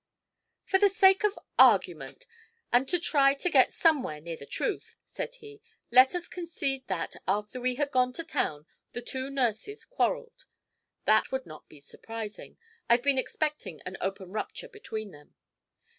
"For the sake of argument, and to try to get somewhere near the truth," said he, "let us concede that, after we had gone to town, the two nurses quarreled. That would not be surprising; I've been expecting an open rupture between them.